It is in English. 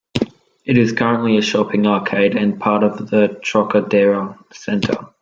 It is currently a shopping arcade and part of the Trocadero Centre.